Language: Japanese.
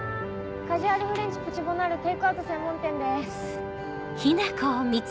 カジュアルフレンチプチボナールテイクアウト専門店です。